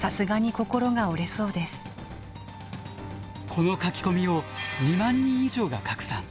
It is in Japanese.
この書き込みを２万人以上が拡散。